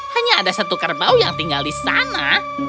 hanya ada satu kerbau yang tinggal di sana